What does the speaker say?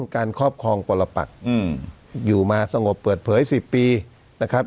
การครอบครองปรปักอยู่มาสงบเปิดเผย๑๐ปีนะครับ